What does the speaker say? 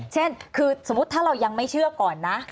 เช่นคือสมมุติถ้าเรายังไม่เชื่อก่อนนะ